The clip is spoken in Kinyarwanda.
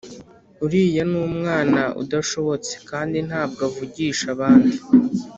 Uriya numwana udashobotse kandi ntabwo avugisha abandi